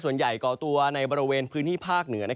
ส่วนใหญ่ก่อตัวในบริเวณพื้นที่ภาคเหนือ